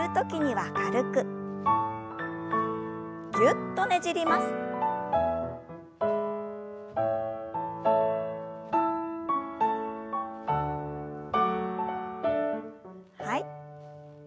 はい。